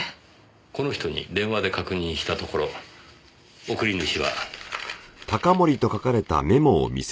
この人に電話で確認したところ送り主はこの人でした。